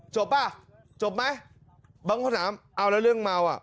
ป่ะจบไหมบางคนถามเอาแล้วเรื่องเมาอ่ะ